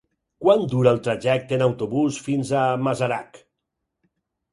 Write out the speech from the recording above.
Quant dura el trajecte en autobús fins a Masarac?